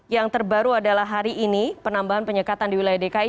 yang terbaru adalah hari ini penambahan penyekatan di wilayah dki